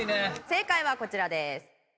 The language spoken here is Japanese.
正解はこちらです。